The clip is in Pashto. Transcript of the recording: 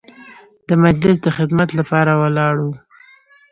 د مجلس د خدمت لپاره ولاړ وو.